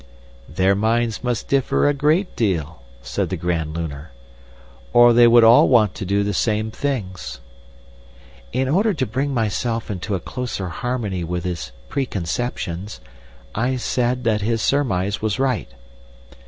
"'Their minds must differ a great deal,' said the Grand Lunar, 'or they would all want to do the same things.' "In order to bring myself into a closer harmony with his preconceptions, I said that his surmise was right.